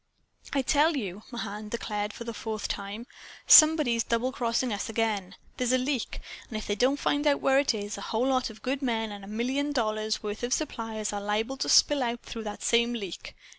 "I tell you," Mahan declared for the fourth time, "somebody's double crossing us again. There's a leak. And if they don't find out where it is, a whole lot of good men and a million dollars' worth of supplies are liable to spill out through that same leak.